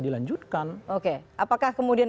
dilanjutkan apakah kemudian